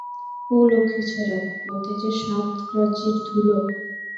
ও লক্ষ্মীছাড়া, ওতে যে সাত-রাজ্যির ধুলো।